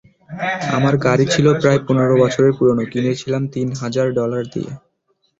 আমার গাড়ি ছিল প্রায় পনেরো বছরের পুরোনো, কিনেছিলাম তিন হাজার ডলার দিয়ে।